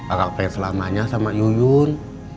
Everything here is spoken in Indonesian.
akang pengen selamanya sama yuyun